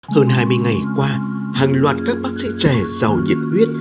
hơn hai mươi ngày qua hàng loạt các bác sĩ trẻ giàu nhiệt huyết